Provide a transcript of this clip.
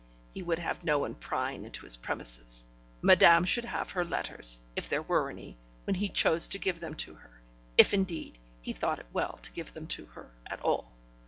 He would have no one prying into his premises; madame should have her letters, if there were any, when he chose to give them to her, if, indeed, he thought it well to give them to her at all.